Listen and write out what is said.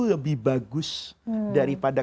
lebih bagus daripada